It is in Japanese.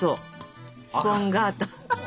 スポンガータ。